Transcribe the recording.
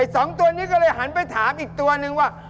สองตัวนี้ก็เลยหันไปถามอีกตัวนึงว่า